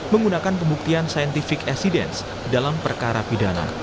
menggunakan pembuktian scientific accidence dalam perkara pidana